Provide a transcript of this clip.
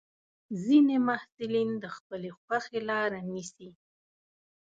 ځینې محصلین د خپلې خوښې لاره نیسي.